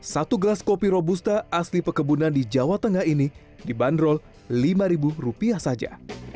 satu gelas kopi robusta asli pekebunan di jawa tengah ini dibanderol lima ribu rupiah saja